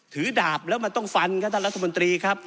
ดาบแล้วมันต้องฟันครับท่านรัฐมนตรีครับ